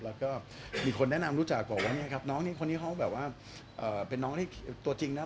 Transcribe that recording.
แล้วก็มีคนแนะนำรู้จักบอกว่าเนี่ยครับน้องนี่คนนี้เขาแบบว่าเป็นน้องที่ตัวจริงนะ